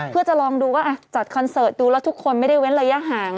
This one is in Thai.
เพื่อจะลองดูว่าจัดคอนเสิร์ตดูแล้วทุกคนไม่ได้เว้นระยะห่าง